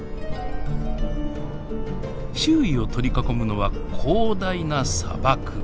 周囲を取り囲むのは広大な砂漠。